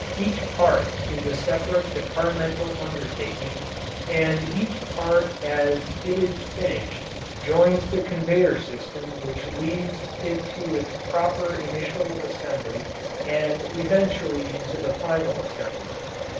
Each part is a separate departmental undertaking and each part as it is finished joins the conveyor system which leads it to its proper initial assembly and eventually into the final assembly.